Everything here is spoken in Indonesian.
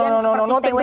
tidak tidak tidak tidak